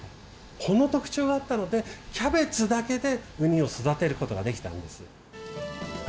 この特徴があったのでキャベツだけでウニを育てることができたんです。